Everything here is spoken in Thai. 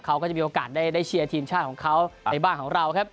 เขาก็จะมีโอกาสได้เชียร์ทีมชาติของเขาในบ้านของเราครับ